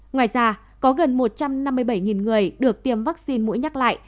ngoài ra có gần một trăm năm mươi bảy người được tiêm vaccine mũi nhắc lại